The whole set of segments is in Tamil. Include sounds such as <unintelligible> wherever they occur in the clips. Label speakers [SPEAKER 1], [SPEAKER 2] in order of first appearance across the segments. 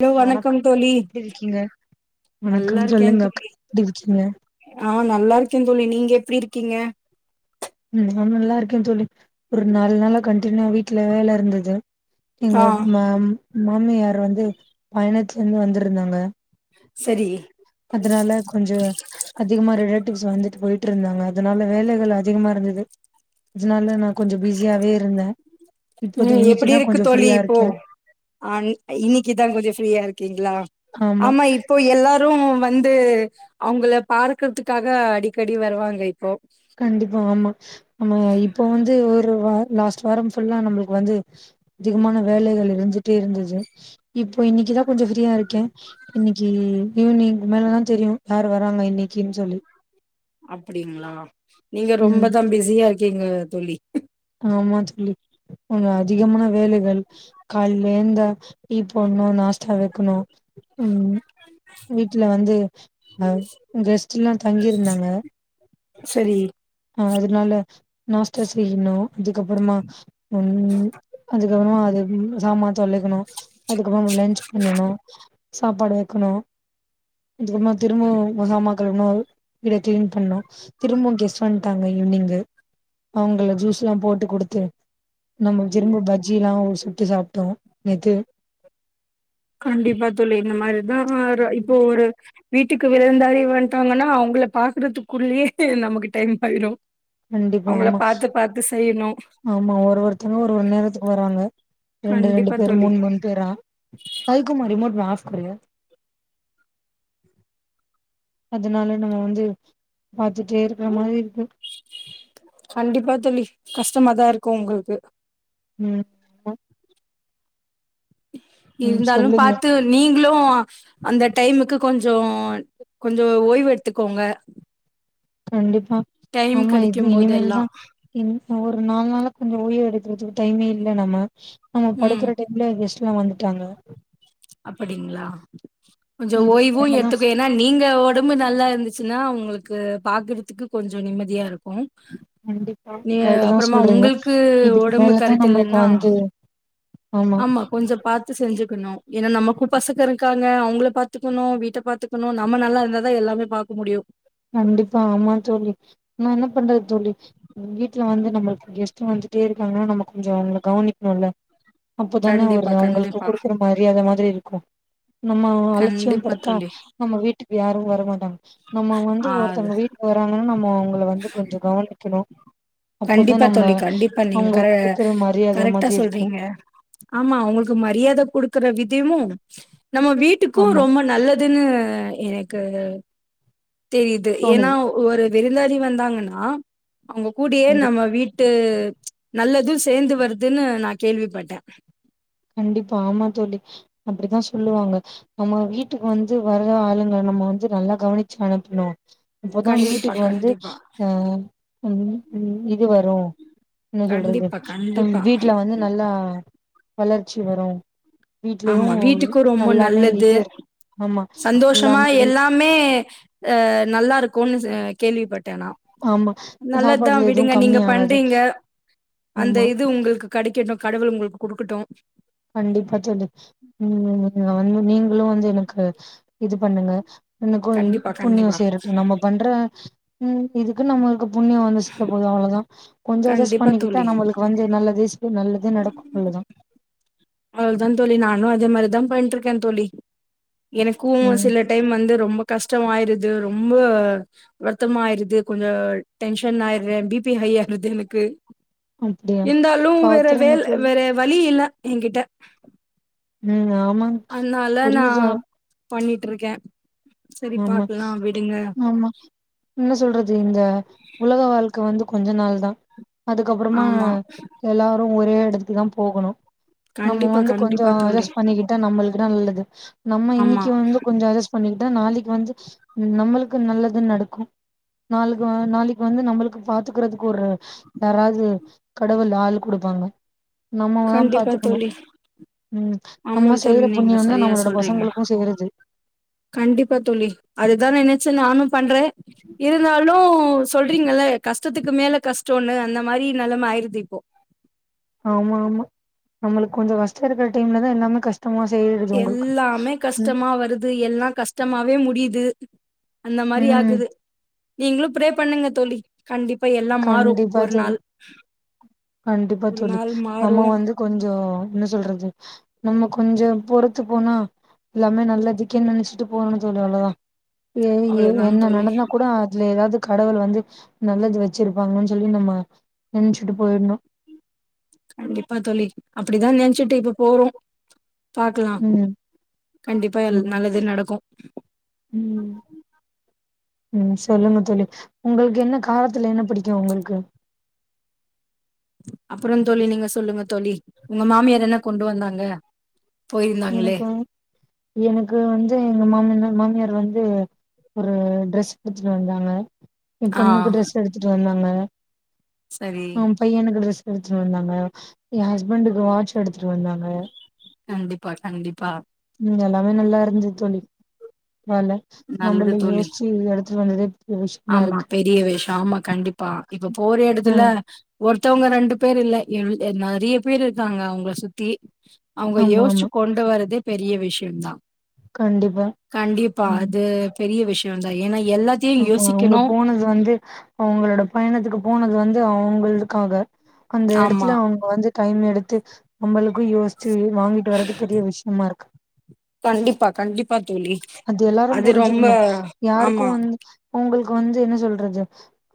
[SPEAKER 1] ஹலோ வணக்கம் தோழி
[SPEAKER 2] எப்டி இருக்கீங்க வணக்கம்
[SPEAKER 1] நல்லா இருக்கே
[SPEAKER 2] சொல்லுங்க அக்கா,
[SPEAKER 1] தோழி
[SPEAKER 2] எப்டி இருக்கீங்க
[SPEAKER 1] ஆ நல்லா இருக்கே தோழி நீங்க எப்படி இருக்கீங்க
[SPEAKER 2] ம் நா நல்லா இருக்க தோழி ஒரு நாலு நாளா கண்டினியூவா வீட்டுல வேல இருந்தது
[SPEAKER 1] ஆ
[SPEAKER 2] எங்க மா மாமியார் வந்து பயணத்துல இருந்து வந்திருந்தாங்க
[SPEAKER 1] சரி
[SPEAKER 2] அதனால கொஞ்ச அதிகமா ரிலேட்டிவ்ஸ் வந்துட்டு போயிட்டுருந்தாங்க அதனால வேலைகள் அதிகமா இருந்தது அதனால நா கொஞ்சோ பிஸியாவே இருந்த
[SPEAKER 1] ம் எப்படி இருக்கு தோழி இப்போ ஆ ன் இன்னிக்குதா கொஞ்ச ஃப்ரீயா இருக்கீங்களா
[SPEAKER 2] ஆமா
[SPEAKER 1] இப்போ எல்லாரு வந்து அவுங்கள பார்கறதுக்காக அடிக்கடி வருவாங்க இப்போ
[SPEAKER 2] கண்டிப்பா ஆமா நம்ம இப்போ வந்து ஒரு வார் லாஸ்ட் வாரம் ஃபுல்லா நம்பளுக்கு வந்து அதிகமான வேலைகள் இருந்துட்டே இருந்தது இப்போ இன்னிக்குதா கொஞ்சோ ஃப்ரீயா இருக்கே இன்னிக்கு ஈவினிங்க்கு மேல தா தெரியு யார் வராங்க இன்னிக்குனு சொல்லி
[SPEAKER 1] அப்டிங்களா நீங்க
[SPEAKER 2] ம்
[SPEAKER 1] ரொம்பதா பிஸியா இருக்கீங்க தோழி
[SPEAKER 2] ஆமா தோழி கொஞ்சோ அதிகமான வேலைகள் கால்ல ஏந்தா டி போட்ணு நாஸ்ட்டா வெக்கணு ம் வீட்ல வந்து அ கெஸ்ட்டுல்லா தங்கிருந்தாங்க
[SPEAKER 1] சரி
[SPEAKER 2] ஆ அதனால நாஸ்ட்டா செய்யணு அதுக்கப்புறமா ஒன் அதுக்கப்புறமா அது சாமான் தொலுகணு அதுக்கப்றமா லன்ச் பண்ணணு சாப்பாடு வெக்கணு அதுக்கப்மா திரும்பவு முசாமாக்கழுவணா விட கிளீன் பண்ணோ திரும்போ கெஸ்ட் வன்ட்டாங்க ஈவனிங்கு அவுங்கள ஜூஸ் லா போட்டு குடுத்து நம்ப சிரும்ப பஜ்ஜில்லா சுட்டு சாப்ட்டோ நேத்து
[SPEAKER 1] கண்டிப்பா தோழி இந்த மாரிதா ஒரு இப்போ
[SPEAKER 2] ம்
[SPEAKER 1] ஒரு வீட்டுக்கு விருந்தாளி வந்ட்டாங்கன்னா அவுங்கள பாக்குறதுக்குள்ளயே நமக்கு டைம் பயிடு
[SPEAKER 2] கண்டிப்பா
[SPEAKER 1] அவுங்கள
[SPEAKER 2] ஆமா
[SPEAKER 1] பாத்து பாத்து செய்யணு
[SPEAKER 2] ஆமா ஒரு ஒருத்தங்க ஒரு ஒரு நேரத்துக்கு வராங்க ரெண்டு ரெண்டு
[SPEAKER 1] கண்டிப்பா
[SPEAKER 2] பேர்
[SPEAKER 1] தோழி
[SPEAKER 2] மூணு மூணு பேரா கைக்குமா ரிமோட்மே ஆஃப் கரீயே அதுனால நம்ம வந்து பாத்துட்டே இருக்கற மாரி இருக்கு
[SPEAKER 1] கண்டிப்பா தோழி கஷ்டமாதா இருக்கு ஒங்களுக்கு
[SPEAKER 2] ம் ஆமா ம்
[SPEAKER 1] இருந்தாலு
[SPEAKER 2] சொல்லுங்க
[SPEAKER 1] பாத்து நீங்ளூ அந்த டைமுக்கு கொஞ்சோ கொஞ்சோ ஓய்வெடுத்துக்கோங்க
[SPEAKER 2] கண்டிப்பா ஆமா இது
[SPEAKER 1] கெடைக்கும்
[SPEAKER 2] இனிமேல்
[SPEAKER 1] போதெல்லா
[SPEAKER 2] தா இன் ஒரு நாலு நாளா கொஞ்சோ ஓய்வு எடுக்கறதுக்கு டைமே இல்ல நம்ம நம்ம
[SPEAKER 1] ம்
[SPEAKER 2] படுக்கற டைம் ல கெஸ்ட்ல்லா வந்துட்டாங்க
[SPEAKER 1] அப்படிங்களா கொஞ்சோ
[SPEAKER 2] இதுக்கு
[SPEAKER 1] ஓய்வு
[SPEAKER 2] மேலதான்
[SPEAKER 1] எத்துக்க ஏனா நீங்க ஒடம்பு நல்லா இருந்துச்சுன்னா உங்களுக்கு பாக்கறதுக்கு கொஞ்சோ நிம்மதியா இருக்கு
[SPEAKER 2] கண்டிப்பா
[SPEAKER 1] நீங்க
[SPEAKER 2] கரெக்ட் தான்
[SPEAKER 1] அப்பறமா
[SPEAKER 2] சொல்றீங்க
[SPEAKER 1] உங்களுக்கு
[SPEAKER 2] இதுக்கு
[SPEAKER 1] ஒடம்பு
[SPEAKER 2] மேலதான்
[SPEAKER 1] கரெட்
[SPEAKER 2] நம்மளுக்கு
[SPEAKER 1] இல்லன்னா
[SPEAKER 2] வந்து
[SPEAKER 1] ஆமா கொஞ்சோ பாத்து செஞ்சுக்கணு ஏனா நமக்கு பசக்க இருக்காங்க அவுங்கள பாத்துக்கணு வீட்ட பாத்துக் கனு நம்ம நல்லா இருந்தாதா எல்லாமே பாக்க முடுயு
[SPEAKER 2] கண்டிப்பா ஆமா தோழி நா என்ன பண்றது தோழி வீட்ல வந்து நம்மளுக்கு கெஸ்ட் வந்துட்டே இருக்காங்கன்னா நம்ம கொஞ்சோ அவங்கள கவனிக்கணுல அப்பதான ஒரு
[SPEAKER 1] கண்டிப்பா
[SPEAKER 2] அவுங்களுக்கு
[SPEAKER 1] கண்டிப்பா
[SPEAKER 2] குடுக்குற மரியாத மாதிரி இருக்கு நம்ம அலட்சியம்
[SPEAKER 1] கண்டிப்பா
[SPEAKER 2] படுத்தா
[SPEAKER 1] தோழி
[SPEAKER 2] நம்ம வீட்டுக்கு யாரு வர மாட்டாங்க நம்ம வந் து
[SPEAKER 1] ஆ அது
[SPEAKER 2] ஒருத்தவங்க வீட்டுக்கு வராங்கன்னா நம்ம அவங்கள வந்து கொஞ்சோ கவனிக்கணு
[SPEAKER 1] கண்டிப்பா தோழி கண்டிப்பா நீங்க கர
[SPEAKER 2] குடுக்குற மரியாத
[SPEAKER 1] கரெட்டா
[SPEAKER 2] மாதிரி இருக்கு
[SPEAKER 1] சொல்றீங்க ஆமா அவுங்களுக்கு மரியாத குடுக்குற விதிமு நம்ம வீட்டுக்கு
[SPEAKER 2] ஆமா
[SPEAKER 1] ரொம்ப நல்ல துன்னு எனக்கு தெரிது ஏனா
[SPEAKER 2] தோணுது
[SPEAKER 1] ஒரு விருந்தாளி வந்தாங்கன்னா அவுங்க கூடயே
[SPEAKER 2] கண்டிப்
[SPEAKER 1] நம்ம வீட் டு நல்லது சேந்து வருதுனு நா கேள்விபட்டே
[SPEAKER 2] கண்டிப்பா ஆமா தோழி அப்டிதா சொல்லுவாங்க நம்ம வீட்டுக்கு வந்து வர்ற ஆளுங்கள நம்ம வந்து நல்லா கவனிச்சு அனுப்பனு அப்பதா
[SPEAKER 1] கண்டிப்பா
[SPEAKER 2] வீட்டுக்கு வந்து
[SPEAKER 1] கண்டிப்பா
[SPEAKER 2] அ ம் ம் இது வரு என்ன சொல்றது
[SPEAKER 1] கண்டிப்பா
[SPEAKER 2] ம்
[SPEAKER 1] கண்டிப்பா
[SPEAKER 2] வீட்ல வந்து நல்லா வளர்ச்சி வரு வீட்லயு
[SPEAKER 1] ஆமா வீட்டுக்கு ரொம்ப
[SPEAKER 2] நல்லாமே
[SPEAKER 1] நல்லது
[SPEAKER 2] இது ஆமா எல்லாமே வீட்
[SPEAKER 1] மே அ நல்லாருக்குனு ச கேள்விப்பட் டேனா
[SPEAKER 2] ஆமா
[SPEAKER 1] நல்லதுதா
[SPEAKER 2] சாப்பாடுல எதுவு
[SPEAKER 1] விடுங்க நீங்க
[SPEAKER 2] கம்மி ஆகாது
[SPEAKER 1] பண்றீங்க அந்த
[SPEAKER 2] ஆமா
[SPEAKER 1] இது உங்களுக்கு கெடைக்கட்டு கடவுள் உங்களுக்கு குடுக்கட்டு
[SPEAKER 2] கண்டிப்பா தோழி ம் நானு நீங்களு வந்து எனக்கு இது பண்ணுங்க எனக்கு
[SPEAKER 1] கண்டிப்பா
[SPEAKER 2] புண்ணியோ
[SPEAKER 1] கண்டிப்பா
[SPEAKER 2] சேரட்டு நம பண்ற ம் இதுக்கு நம்மளுக்கு புண்ணியோ வந்து சேர போது அவ்ளோதா கொஞ்சோ அஜஸ்ட்
[SPEAKER 1] கண்டிப்பா தோழி
[SPEAKER 2] பண்ணிக்கிட்ட நம்மளுக்கு வந்து நல்லதீஸ்கு நல்லதே நடக்கு அவ்ளோதா
[SPEAKER 1] அவ்ளோதா தோழி நானு அதே மாரி தா பண்ட்டு இருக்கே தோழி எனக்கு
[SPEAKER 2] ம்
[SPEAKER 1] சில டைம் வந்து ரொம்ப கஷ்டமாயிருது ரொம்ப வருத்தமா ஆயிருது கொஞ்ச டென்ஷன் ஆயறே பி பி ஹை ஆயிருது எனக்கு
[SPEAKER 2] அப்டியா
[SPEAKER 1] இருந்தாலு வேற
[SPEAKER 2] பாத்துருங்க
[SPEAKER 1] வேல
[SPEAKER 2] தோழி
[SPEAKER 1] வேற வழி இல்ல என்கிட்ட
[SPEAKER 2] ம் ஆமாங்
[SPEAKER 1] அதுனால நா
[SPEAKER 2] புரியுது
[SPEAKER 1] பண்ணிட்ருக்கே செரி
[SPEAKER 2] ஆமா
[SPEAKER 1] பாக்கலா விடுங்க
[SPEAKER 2] ஆமா என்ன சொல்றது இந்த உலக வாழ்க்க வந்து கொஞ்ச நாள் தா அதுக்கப்பறமா
[SPEAKER 1] ஆமா
[SPEAKER 2] எல்லாரு ஒரே எடத்துக்கு தா போகணு நம்ம
[SPEAKER 1] கண்டிப்பா
[SPEAKER 2] வந்து கொஞ்சோ
[SPEAKER 1] கண்டிப்பா தோழி
[SPEAKER 2] அஜஸ்ட் பண்ணிகி த்தா நம்மளுக்கு நல்லது நம்ம
[SPEAKER 1] ஆமா
[SPEAKER 2] இன்னைக்கி வந்து கொஞ்சோ அஜஸ்ட் பண்ணிக்கிட்ட நாளைக் வந்து நம்மளுக்கு நல்லது நடக்கு நாளுக்குவ நாளைக் வந்து நம்மளுக்கு பாத்துக்கறதுக்கு ஒரு யாராவது கடவுள் ஆள் குடுப்பாங்க நம்மதா
[SPEAKER 1] கண்டிப்பா
[SPEAKER 2] பாத்துக்கணு
[SPEAKER 1] தோழி
[SPEAKER 2] ம்
[SPEAKER 1] ஆமா
[SPEAKER 2] நம்ம
[SPEAKER 1] தோழி
[SPEAKER 2] செய்யிற
[SPEAKER 1] நீங்க
[SPEAKER 2] புண்ணியோ தா
[SPEAKER 1] சரியா
[SPEAKER 2] நம்மளோட
[SPEAKER 1] சொல்றீங்க
[SPEAKER 2] பசங்களுக்கு சேருது
[SPEAKER 1] கண்டிப்பா தோழி அதுதா நெனச்சு நானு பண்றே இருந்தாலு சொல்றீங்கல்ல கஷ்டத்துக்கு மேல கஷ்டோன்னு அந்த மாரி நெலம ஆயிருது இப்போ
[SPEAKER 2] ஆமா ஆமா நம்மளுக்கு கொஞ்சோ கஷ்டோ இருக்கற டைம்ல தா எல்லாமே கஷ்ட த்தம்மா செய்ற
[SPEAKER 1] எல்லாமே கஷ்டமா வருது எல்லா கஷ் டமாவே முடியுது அந்த மாரி
[SPEAKER 2] ம்
[SPEAKER 1] ஆகுது நீங்களு ப்ரே பண்ணுங்க தோழி கண்டிப்பா எல்லாம் மாறு
[SPEAKER 2] கண்டிப்பா
[SPEAKER 1] ஒரு
[SPEAKER 2] தோழி
[SPEAKER 1] நாள்
[SPEAKER 2] கண்டிப்பா
[SPEAKER 1] ஒரு
[SPEAKER 2] தோழி
[SPEAKER 1] நாள் மாறு
[SPEAKER 2] நம்ம வந்து கொஞ்சோ என்ன சொல்றது நம்ம கொஞ்சோ பொறுத்து போனா எல்லாமே நல்லதுக்கேன்னு நெனைச்சிட்டு போகணு தோழி அவ்ளோதா ஏ எ
[SPEAKER 1] அவ்ளோதா
[SPEAKER 2] என்ன
[SPEAKER 1] தோழி.
[SPEAKER 2] நடந்த கூட அதுல ஏதாவது கடவுள் வந்து நல்லது வச் வச்சிருப்பாங்கன்னு சொல்லி நம்ம நெனைச்சுட்டு போயிர்ணு
[SPEAKER 1] கண்டிப்பா தோழி அப்படிதா நெனச்சிட்டு இப்ப போறோ பாக்கலா
[SPEAKER 2] ம்
[SPEAKER 1] கண்டிப்பா
[SPEAKER 2] ம்
[SPEAKER 1] நல்லதே நடக்கு
[SPEAKER 2] ம் ம் சொல்லுங்க தோழி உங்களுக்கு என்ன காரத்துல என்ன புடிக்கு உங்களுக்கு
[SPEAKER 1] அப்புறோ தோழி நீங்க சொல்லுங்க தோழி உங்க மாமியார் என்ன கொண்டு வந்தாங்க போயிருந்தாங்களே?
[SPEAKER 2] எனக்கு வந் எனக்கு வந்து எங்க மாம்மன்னா மாமியார் வந்து ஒரு ட்ரெஸ் எடுத்துட்டு வந்தாங்க எ
[SPEAKER 1] ஆ
[SPEAKER 2] பொண்ணுக்கு ட்ரெஸ் எடுத்துட்டு வந்தாங்க
[SPEAKER 1] சரி
[SPEAKER 2] ஆ பையனுக்கு டிரெஸ் எடுத்துட்டு வந்தாங்க எ ஹஸ்பண்டுக்கு வாட்ச் எடுத்துட்டு வந்தாங்க
[SPEAKER 1] கண்டிப்பா கண்டிப்பா
[SPEAKER 2] ம் எல்லாமே நல்லாருந்தது தோழி வேல
[SPEAKER 1] நல்லது
[SPEAKER 2] நம்மளு
[SPEAKER 1] தோழி.
[SPEAKER 2] யோசிச்சு எடுத்துட்டு வந்ததே பெரிய விஷயமா
[SPEAKER 1] ஆமா
[SPEAKER 2] இருக்கு
[SPEAKER 1] பெரிய விஷயோ ஆமா கண்டிப்பா இப்ப போற
[SPEAKER 2] ஆ
[SPEAKER 1] எடத்துல ஒருத்தவங்க ரெண்டு பேர் இல்ல எ நறைய பேர் இருக்காங்க அவங்கள சுத்தி அவுங்க
[SPEAKER 2] ஆமா
[SPEAKER 1] யோசிச்சு
[SPEAKER 2] ஆமா
[SPEAKER 1] கொண்டு வரதே பெரிய விஷ்யோ தா
[SPEAKER 2] கண்டிப்பா
[SPEAKER 1] கண்டிப்பா
[SPEAKER 2] ம்
[SPEAKER 1] அது பெரிய விஷ்யோ தா ஏன்னா எல்லாத்தையு
[SPEAKER 2] ஆமா
[SPEAKER 1] யோசி
[SPEAKER 2] அவங்க போனது வந்து அவங்களோட பயணத்துக்கு போனது வந்து அவுங்களுக்காக அந்த
[SPEAKER 1] ஆமா.
[SPEAKER 2] எடத்துல அவங்க வந்து டைம் எடுத்து நம்மளுக்கு யோசி ஆக்சுவலி வாங்கிட்டு வர்றது பெரிய விஷயமாருக்கு
[SPEAKER 1] கண்டிப்பா கண்டிப்பா தோழி.
[SPEAKER 2] அது எல்லாரு புரிஞ்சுக்கணு யாருக்கு
[SPEAKER 1] ஆமா
[SPEAKER 2] வந்து உங்களுக்கு வந்து என்ன சொல்றது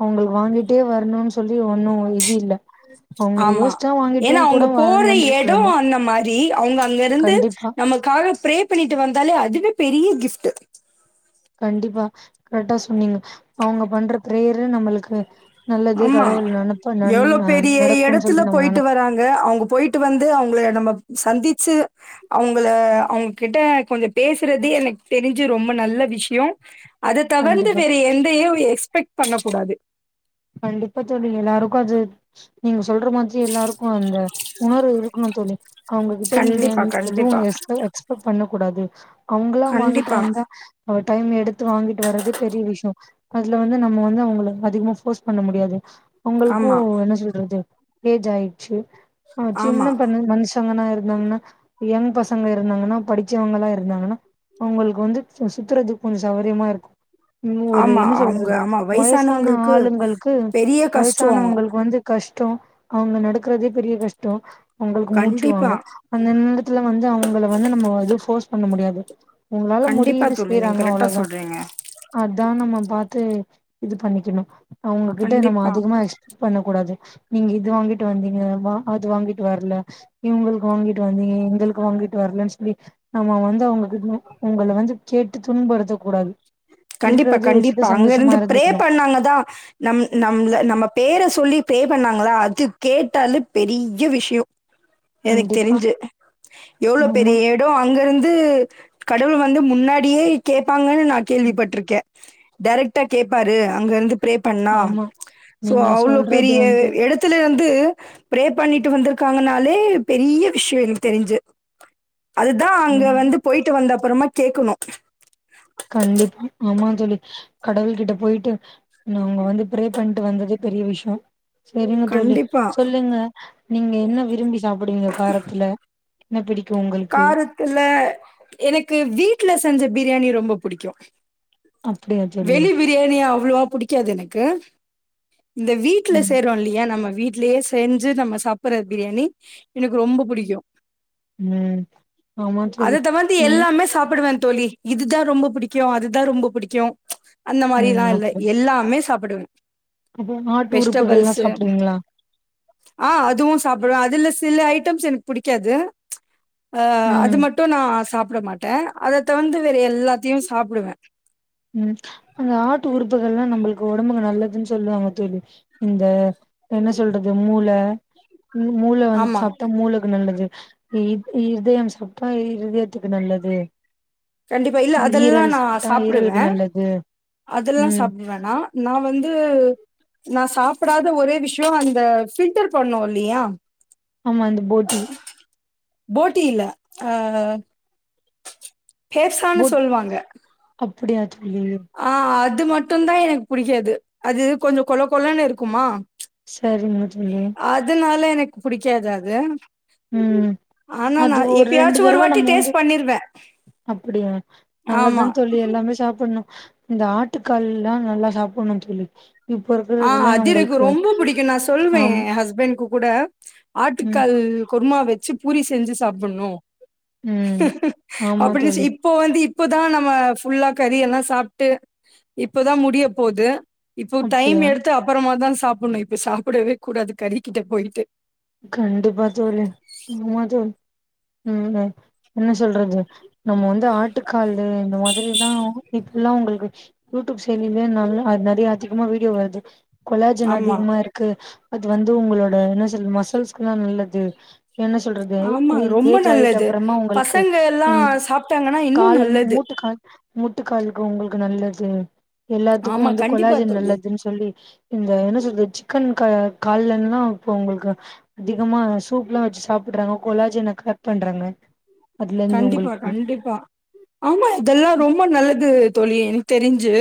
[SPEAKER 2] அவங்களுக்கு வாங்கிட்டே வரணுன் சொல்லி ஒண்ணு இது இல்ல அவங்க
[SPEAKER 1] ஆமா
[SPEAKER 2] யோசிச்சா
[SPEAKER 1] ஏனா
[SPEAKER 2] வாங்கிட்டும் கூட
[SPEAKER 1] அவுங்க
[SPEAKER 2] வர
[SPEAKER 1] போற எடோ
[SPEAKER 2] வந்திருக்கலாமா
[SPEAKER 1] அந்த மா ரி அவங்க அங்கருந்து
[SPEAKER 2] கண்டிப்பா
[SPEAKER 1] நமக்காக ப்ரே பண்ணிட்டு வந்தாலே அதுவே பெரிய கிஃப்ட்டு
[SPEAKER 2] கண்டிப்பா கரெக்டா சொன்னீங்க அவங்க பண்ற ப்ரேயரு நம்மளுக்கு நல்லது
[SPEAKER 1] ஆமா.
[SPEAKER 2] கடவுள் நனப்ப நன்னா நடக்குன் சொல்லி நம்ம நெனப்போ
[SPEAKER 1] தா அவங்க போயிட்டு வந்து அவங்கள நம்ம சந்திச்சு அவங்கள அவங்க கிட்ட கொஞ்சோ பேசுறதே எனக் தெரிஞ்சு ரொம்ப நல்ல விஷ்யோ அத தவர்ந்து
[SPEAKER 2] கண்டிப்பா
[SPEAKER 1] வேற எந்தயையு எக்ஸ்பெக்ட் பண்ண கூடாது
[SPEAKER 2] கண்டிப்பா தோழி எல்லாருக்கு அது நீங்க சொல்ற மாதி ரி எல்லாருக்கு அந்த உணர்வு இருக்கணு தோழி அவுங்ககிட்டர்ந்து
[SPEAKER 1] கண்டிப்பா,
[SPEAKER 2] என் எதுவு
[SPEAKER 1] கண்டிப்பா.
[SPEAKER 2] எஸ் ஓவர் எக்ஸ்பெக்ட் பண்ண கூடாது அவுங்ளா வாங்கிட்டு
[SPEAKER 1] கண்டிப்பா.
[SPEAKER 2] வந்தா அவ்ள் டைம் எடுத்து வாங்கிட்டு வரதே பெரிய விஷ்யோ அதுல வந்து நம்ம வந்து அவுங்கள அதிகமா ஃபோர்ஸ் பண்ண முடியாது அவுங்கள்க்கு
[SPEAKER 1] ஆமா,
[SPEAKER 2] என்ன சொல்றது ஏஜ் ஆய் ச்சு அ சின்ன
[SPEAKER 1] ஆமா,
[SPEAKER 2] பொண்ணு நெனச்சி <unintelligible> இருந்தாங்கன்னா யங் பசங்க இருந்தாங்கன்னா படிச்சவங்கலா இருந்தாங்கன்னா அவுங்கள்க் வந்து ச சுத்துறதுக் கொஞ் சௌரியமா இருக்கு ம் ஒரு
[SPEAKER 1] ஆமா.
[SPEAKER 2] என்ன
[SPEAKER 1] அவங்க
[SPEAKER 2] சொல்றது
[SPEAKER 1] ஆமா
[SPEAKER 2] வயசான
[SPEAKER 1] வயசானவங்களுக்கு
[SPEAKER 2] ஆளுங்கள்க்கு
[SPEAKER 1] பெரிய கஷ்டம்.
[SPEAKER 2] வயசானவங்கள் க்கு வந்து கஷ்டோ அவுங்க நடக்கறதே பெரிய கஷ்டோ அவுங்கள்க்கு
[SPEAKER 1] கண்டிப்பா,
[SPEAKER 2] மூச்சுவாங்கு அந்த நேரத்துல வந்து அவுங்கள வந்து நம்ம எது ஃபோர்ஸ் பண்ண முடியாது அவுங்களால
[SPEAKER 1] கண்டிப்பா
[SPEAKER 2] முடியிது
[SPEAKER 1] தோழி. நீங்க
[SPEAKER 2] செய்யறாங்க
[SPEAKER 1] கரெக்ட்டா
[SPEAKER 2] அவ்ளோதா
[SPEAKER 1] சொல்றீங்க.
[SPEAKER 2] அதா நம்ம பாத்து இது பண்ணிக்கணு அவுங்ககிட்ட நம்ம
[SPEAKER 1] கண்டிப்பா.
[SPEAKER 2] அதிகமா எக்ஸ் பண்ண கூடாது நீங்க இது வாங்கிட்டு வந்தீங்க வ அது வாங்கிட்டு வர்ல இவுங்கள்க் வாங்கிட்டு வந்தீங்க எங்கள்க் வாங்கிட்டு வர்லன் சொல்லி நம்ம வந்து அவுங்ளுக் இன்னு உங்கள வந்து கேட்டு துன்புறுத்த கூடாது
[SPEAKER 1] கண்டிப்பா
[SPEAKER 2] இருக்கிறதே வச்சுட்டு
[SPEAKER 1] கண்டிப்பா
[SPEAKER 2] சந்தோஷமா
[SPEAKER 1] அங்கருந்து பிரே
[SPEAKER 2] இருந்துக்கணு
[SPEAKER 1] பண்ணாங்க தா நம் நம்ள நம்ம பேர சொல்லி ப்ரே பண்ணாங்களா அது கேட்டாலே பெரிய விஷ்யோ எனக்
[SPEAKER 2] கண்டிப்பா
[SPEAKER 1] தெரிஞ்சு எவ்ளோ
[SPEAKER 2] ஆமா
[SPEAKER 1] பெரிய எ டோ அங்கருந்து கடவுள் வந்து முன்னாடியே கேப்பாங்கன்னு நா கேள்விப்பட்ருக்கே டைரக்டா கேப்பாரு அங்கருந்து பிரே பண்ணா
[SPEAKER 2] ஆமா
[SPEAKER 1] சோ
[SPEAKER 2] நீங்க
[SPEAKER 1] அவ்ளோ
[SPEAKER 2] சொல்றது
[SPEAKER 1] பெரிய
[SPEAKER 2] வந்து
[SPEAKER 1] எடத் துலருந்து பிரே பண்ணிட்டு வந்திருக்காங்கனாலே பெரிய விஷ்யோ எனக் தெரிஞ்சு அதுதா அங்க
[SPEAKER 2] ம்
[SPEAKER 1] வந்து போய்ட்டு வந்த அப்பறமா கேக்கணு
[SPEAKER 2] கண்டிப்பா ஆமா தோழி கடவுள் கிட்ட போய்ட்டு ந அவுங்க வந்து ப்ரே பண்ட்டு வந்ததே பெரிய விஷ்யோ செரிங்க தோழி
[SPEAKER 1] கண்டிப்பா.
[SPEAKER 2] சொல்லுங்க நீங்க என்ன விரும்பி சாப்புடுவீங்க காரத்துல என்ன பிடிக்கு உங்கள்க்கு
[SPEAKER 1] குல்ல எனக்கு வீட்ல செஞ்ச பிரியாணி ரொம்ப புடிக்கு
[SPEAKER 2] அப்டியா தோழி
[SPEAKER 1] வெளி பிரியாணி அவ்ளோவா புடிக்காது எனக்கு இந்த வீட்ல
[SPEAKER 2] ம்
[SPEAKER 1] செய்றோ இல்லியா நம்ம வீட்லயே செஞ்சு நம்ம சாப்பட்ற பிரியாணி எனக்கு ரொம்ப புடிக்கு
[SPEAKER 2] ம் ஆமா தோழி
[SPEAKER 1] அது தவந்த்து
[SPEAKER 2] ம்
[SPEAKER 1] எல்லாமே சாப்புடுவே தோழி இதுதா ரொம்ப புடிக்கு அதுதா ரொம்ப புடிக்கு அந்த மாரில்லா
[SPEAKER 2] ம்
[SPEAKER 1] இல்ல எல்லாமே சாப்புடுவே
[SPEAKER 2] அப்போ ஆட்டு உறுப்புகள்லா
[SPEAKER 1] வெஜிடபிள்ஸு
[SPEAKER 2] சாப்டுவீங்ளா
[SPEAKER 1] ஆ அதுவு சாப்டுவே அதுல சில ஐட்டம்ஸ் எனக் புடிக்காது அ அது
[SPEAKER 2] ம்
[SPEAKER 1] மட்டு நா சாப்பிட மாட்டே அத தவந்து வேற எல்லாத்தையு சாப்புடுவே
[SPEAKER 2] ம் அந்த ஆட்டு உறுப்புகள்லா நம்மள்க்கு ஒடம்புக்கு நல்லதுன் சொல்வாங்க தோழி இந்த என்ன சொல்றது மூள ம் மூள வந்
[SPEAKER 1] ஆமா
[SPEAKER 2] சாப்ட்டா மூளக்கு நல்லது இ இத் இதயம் சாப்ட்டா இ இருதயத்துக்கு நல்லது
[SPEAKER 1] கண்டிப்பா இல்ல அதெல்லா
[SPEAKER 2] ஈரல்
[SPEAKER 1] நா
[SPEAKER 2] சாப்ட்டா ஈரலுக்கு
[SPEAKER 1] சாப்புடுவே
[SPEAKER 2] நல்லது
[SPEAKER 1] அதெல்லா
[SPEAKER 2] ம்
[SPEAKER 1] சாப்புட் வே நா நா வந்து நா சாப்படாத ஒரே விஷ்யோ அந்த ஃபில்டர் பண்ணுவோல்லியா
[SPEAKER 2] ஆமா அந்த போட்டி
[SPEAKER 1] போட்டி இல்ல ஆ கேசான்னு
[SPEAKER 2] போட்
[SPEAKER 1] சொல்வாங்க
[SPEAKER 2] அப்டியா தோழி
[SPEAKER 1] ஆ அது மட்டு தா எனக்கு புடிக்காது அது கொஞ்ச கொழ கொழன்னு இருக்குமா
[SPEAKER 2] சரிங்க தோழி
[SPEAKER 1] அதனால எனக்கு புடிக்காது அது
[SPEAKER 2] ம்
[SPEAKER 1] ஆனா நா
[SPEAKER 2] அது ரெண்டு
[SPEAKER 1] எப்பயாச்சு ஒரு
[SPEAKER 2] தடவ
[SPEAKER 1] வாட்டி
[SPEAKER 2] நம்ம வந்து
[SPEAKER 1] டேஸ்ட் பண்ணிருவே
[SPEAKER 2] அப்டியா நல்லதுதா
[SPEAKER 1] ஆமா
[SPEAKER 2] தோழி எல்லாமே சாப்புணு இந்த ஆட்டுக்கால்லா நல்லா சாப்டணு தோழி இப்போ
[SPEAKER 1] ஆ
[SPEAKER 2] இருக்கறதுல
[SPEAKER 1] அதிரெகு
[SPEAKER 2] உங்களுக்கு
[SPEAKER 1] ரொம்ப புடிக்கு நா சொல்வே
[SPEAKER 2] ஆம்
[SPEAKER 1] ஹஸ்பண்ட் கு கூட
[SPEAKER 2] ம்
[SPEAKER 1] ஆட்டுக்கால் குருமா வச்சு பூரி செஞ்சு சாப்புட்ணு
[SPEAKER 2] ம் ஆமா
[SPEAKER 1] அப்டிச் இப்
[SPEAKER 2] தோழி
[SPEAKER 1] இப்போ வந்து இப்பதா நம்ம ஃபுல்லா கறி எல்லா சாப்ட்டு இப்போதா முடிய போது இ டைம்
[SPEAKER 2] அப்டியா
[SPEAKER 1] எடுத்து அப்பறமா தா சாப்புணு இப்டி சாப்புடவே கூடாது கறிக்கிட்ட போயிட்டு
[SPEAKER 2] கண்டிப்பா தோழி ஆமா தோழி ம் என்ன சொல்றது நம்ம வந்து ஆட்டுக்காலு இந்த மாதிரில்லா கி எல்லா உங்களுக்கு யூ டூப் செயலிலயே நல்ல நெறைய அதிகமா வீடியோ வருது கொலாஜன்
[SPEAKER 1] ஆமா
[SPEAKER 2] அதிகமா இருக்கு அது வந்து உங்களோட என்ன சொல்ற மஸ்ல்ஸ்குல்லா நல்லது என்ன சொல்றது
[SPEAKER 1] ஆமா
[SPEAKER 2] எ
[SPEAKER 1] ரொம்ப
[SPEAKER 2] ஏஜ் ஆயிட்டு
[SPEAKER 1] நல்லது
[SPEAKER 2] அப்புறமா உங்களுக்கு
[SPEAKER 1] பசங்க எல்லா
[SPEAKER 2] ம்
[SPEAKER 1] சாப்ட்டாங்கன்னா இன்னு
[SPEAKER 2] கால்
[SPEAKER 1] நல்லது
[SPEAKER 2] முட் டுக்கால் முட்டுக்காலுக்கு உங்களுக்கு நல்லது எல்லாத்துக்கு
[SPEAKER 1] ஆமா
[SPEAKER 2] வந்து
[SPEAKER 1] கண்டிப்பா
[SPEAKER 2] கொலாஜன்
[SPEAKER 1] தோழி
[SPEAKER 2] நல்லதுன் ச் சொல்லி இந்த என்ன சொல்றது சிக்கன் கா கால்லன்னா இப்போ உங்களுக்கு அதிகமா சூப்லா வெச்சு சாப்புடுறாங்க கொலாஜன கர்ட் பண்றாங்க அதுல இருந்து
[SPEAKER 1] கண்டிப்பா
[SPEAKER 2] உங்களுக்கு
[SPEAKER 1] கண்டிப்பா ஆமா இதெல்லா ரொம்ப நல்லது தோழி எனக்கு தெரிஞ்சு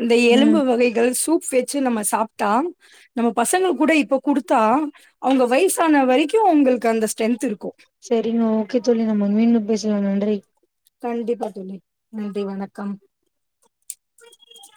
[SPEAKER 1] அந்த
[SPEAKER 2] ம்
[SPEAKER 1] எலும்பு வகைகள் சூப் வெச்சு நம்ம சாப்ட்டா நம்ம பசங்களு கூட இப்ப குடுத்தா அவங்க வயசான வரைக்கு உங்களுக்கு அந்த ஸ்ட்ரென்த் இருக்கு
[SPEAKER 2] செரிங்க ஓகே தோழி நம்ம மீண்டு பேசலா நன்றி
[SPEAKER 1] கண்டிப்பா தோழி நன்றி வணக்கம்